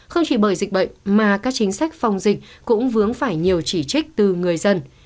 không chỉ bởi dịch bệnh mà các chính sách phòng dịch cũng vướng phải nhiều chỉ trích từ người dân